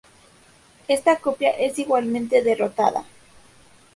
Esta Copia es igualmente derrotada.